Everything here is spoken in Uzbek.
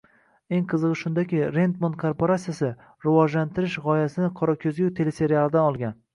Eng qizigʻi shundaki, Redmond korporatsiyasi, rivojlantirish gʻoyasini “Qora koʻzgu” teleserialidan olgan.